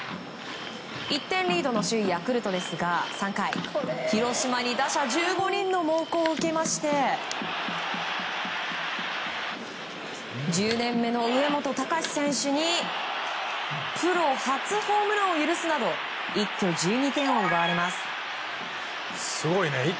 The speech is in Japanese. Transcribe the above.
１点リードの首位ヤクルトですが３回、広島に打者１５人の猛攻を受けまして１０年目の上本崇司選手にプロ初ホームランを許すなど一挙１２点を奪われます。